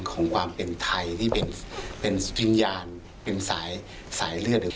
ของความเป็นไทยที่เป็นสินญาณเป็นสายเลือด